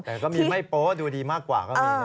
แต่ก็มีไม่โป๊ดูดีมากกว่าก็มีนะ